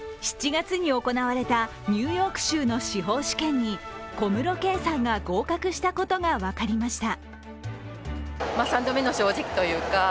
７月に行われたニューヨーク州の司法試験に小室圭さんが合格したことが分かりました。